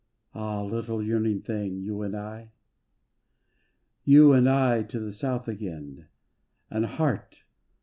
Ah! little yearning thing, you and I? You and I to the South again, And heart